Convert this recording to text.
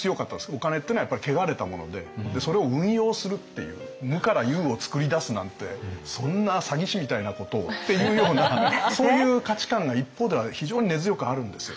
お金っていうのはやっぱり汚れたものででそれを運用するっていう無から有を作り出すなんてそんな詐欺師みたいなことをっていうようなそういう価値観が一方では非常に根強くあるんですよね。